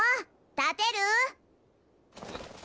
立てる？